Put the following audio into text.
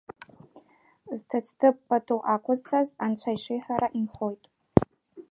Зҭыӡҭыԥ пату ақәызҵаз, анцәа ишиҳәара инхоит.